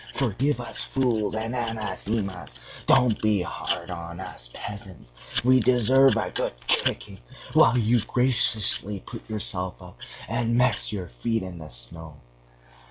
Forgive us fools and anathemas, don't be hard on us peasants! We deserve a good kicking, while you graciously put yourself out and mess your feet in the snow!